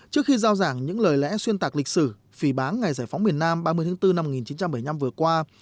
trước khi giao giảng những lời lẽ xuyên tạc lịch sử phì bán ngày giải phóng miền nam ba mươi tháng bốn năm một nghìn chín trăm bảy mươi năm vừa qua